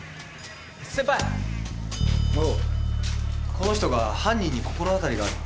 この人が犯人に心当たりがあるって。